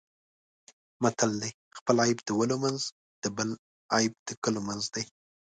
متل دی: خپل عیب د ولو منځ د بل عیب د کلو منځ دی.